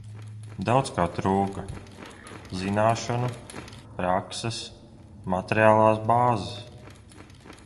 Daudz kā trūka - zināšanu, prakses, materiālās bāzes.